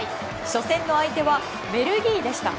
初戦の相手はベルギーでした。